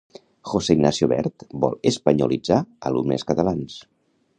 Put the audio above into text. José Ignacio Wert vol espanyolitzar alumnes catalans.